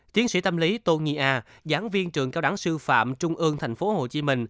tiến sĩ tâm lý tô nhi a giảng viên trường cao đáng sư phạm trung ương tp hcm